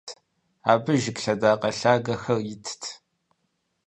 Абы жыг лъэдакъэ лъагэхэр итт.